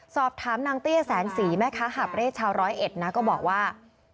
สอบถามนางเตี้ยแสนศรีแม่ค้าหาบเร่ชาวร้อยเอ็ดนะก็บอกว่า